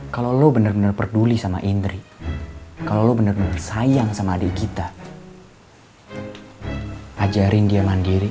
kalau lo benar benar peduli sama indri kalau lo bener bener sayang sama adik kita ajarin dia mandiri